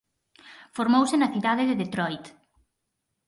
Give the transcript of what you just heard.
Formouse na cidade de Detroit.